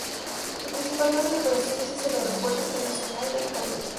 Su principal base de operaciones es el Aeropuerto Internacional de El Cairo.